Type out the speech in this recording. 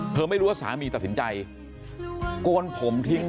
ไม่รู้ว่าสามีตัดสินใจโกนผมทิ้ง